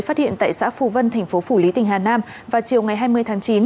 phát hiện tại xã phù vân tp phủ lý tỉnh hà nam vào chiều ngày hai mươi tháng chín